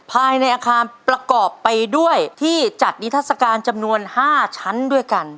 ภายในอาคารประกอบไปด้วยที่จัดนิทัศกาลจำนวน๕ชั้นด้วยกัน